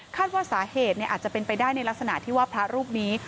ว่าสาเหตุอาจจะเป็นไปได้ในลักษณะที่ว่าพระรูปนี้